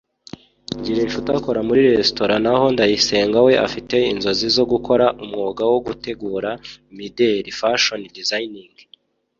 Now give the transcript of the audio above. Ngirinshuti akora muri restora naho Ndayisenga we afite inzozi zo gukora umwuga wo gutegura imideri (fashion designing)